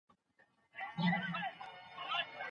تاسو هر څه کولای شئ.